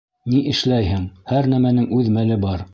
— Ни эшләйһең, һәр нәмәнең үҙ мәле бар.